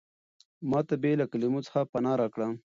ما ته بې له کلمو څخه پناه راکړه.